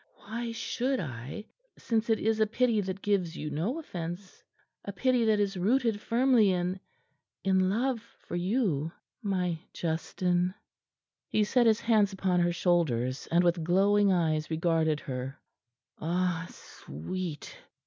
Why should I since it is a pity that gives you no offense, a pity that is rooted firmly in in love for you, my Justin?" He set his hands upon her shoulders, and with glowing eyes regarded her. "Ah, sweet!"